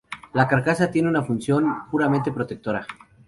La carcasa tiene una función puramente protectora.